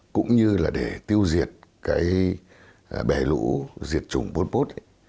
cũng như là để tiêu diệt cái bể lũ diệt chủng bốn bốt ấy